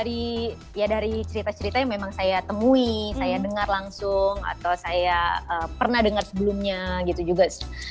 iya dari cerita cerita yang memang saya temui saya dengar langsung atau saya pernah dengar sebelumnya gitu juga